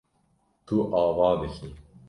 Tu ava dikî.